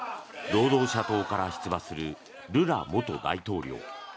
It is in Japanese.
・労働党から出馬するルラ元大統領。